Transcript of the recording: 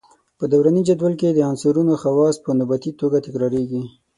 په دوراني جدول کې د عنصرونو خواص په نوبتي توګه تکراریږي.